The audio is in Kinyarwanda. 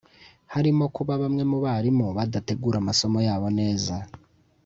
harimo kuba bamwe mu barimu badategura amasomo yabo neza